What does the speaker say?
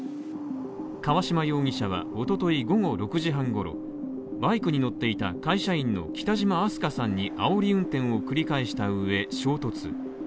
川島容疑者はおととい午後６時半ごろバイクに乗っていた会社員の北島明日翔さんにあおり運転を繰り返したうえ、衝突。